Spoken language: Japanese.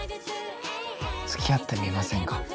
つきあってみませんか？